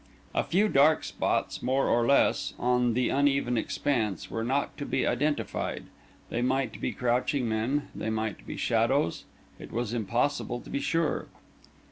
A few dark spots, more or less, on the uneven expanse were not to be identified; they might be crouching men, they might be shadows; it was impossible to be sure.